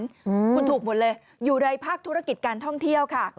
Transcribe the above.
คุณถูกหมดเลยอยู่ในภาคธุรกิจการท่องเที่ยวค่ะ